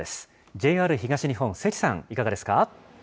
ＪＲ東日本、関さん、いかがですか。